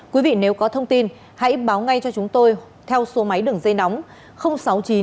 quý vị nếu có thông tin hãy báo ngay cho chúng tôi theo số máy đường dây nóng sáu mươi chín hai trăm ba mươi bốn năm nghìn tám trăm sáu mươi